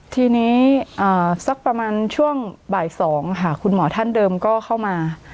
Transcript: ทีนี้สักประมาณช่วงบ่าย๒ค่ะคุณหมอท่านเดิมก็เข้ามา